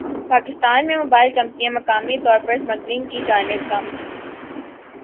پاکستان میں موبائل کمپنیاں مقامی طور پر اسمبلنگ کی جانب گامزن